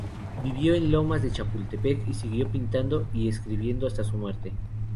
Vivió en Lomas de Chapultepec, y siguió pintando y escribiendo hasta su muerte.